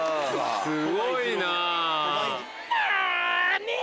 すごいな！